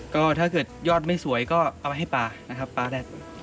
ก็ถ้าเกิดยอดไม่สวยก็เอาไปให้ปลานะครับปลาแดด